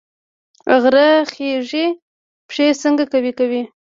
غره خیژي پښې څنګه قوي کوي؟